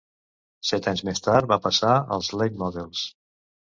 Set anys més tard, va passar als "late models".